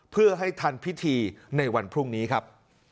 เพื่อให้ทันพิธีในวันพรุ่งนี้ครับ